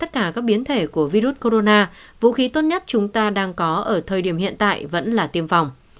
và chống lại tất cả các biến thể của virus corona vũ khí tốt nhất chúng ta đang có ở thời điểm hiện tại vẫn là tiêm phòng